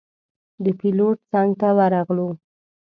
د پېلوټ څنګ ته ورغلو.